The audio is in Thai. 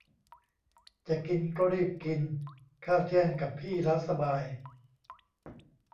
จะกินก็รีบกิน ข้าวเที่ยงกับพี่แล้วสบาย